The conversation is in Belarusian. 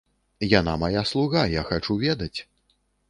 Яна мая слуга, я хачу ведаць.